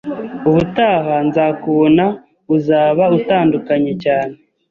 Ubutaha nzakubona, uzaba utandukanye cyane.